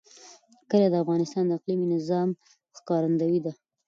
کلي د افغانستان د اقلیمي نظام ښکارندوی ده.